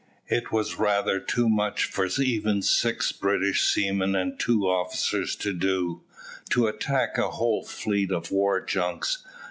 It was rather too much for even six British seamen and two officers to do, to attack a whole fleet of war junks.